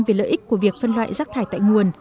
về lợi ích của việc phân loại rác thải tại nguồn